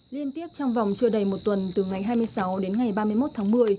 liên tiếp trong vòng chưa đầy một tuần từ ngày hai mươi sáu đến ngày ba mươi một tháng một mươi